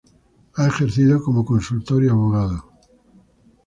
Ha ejercido como consultor y abogado.